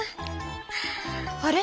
あれ？